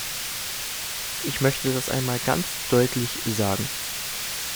Ich möchte das einmal ganz deutlich sagen.